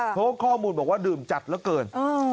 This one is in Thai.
เพราะว่าข้อมูลบอกว่าดื่มจัดเหลือเกิน